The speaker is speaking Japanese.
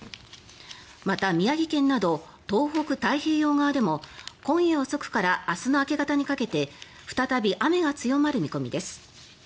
また、宮城県など東北太平洋側でも今夜遅くから明日の明け方にかけて再び雨が強まる見込みです。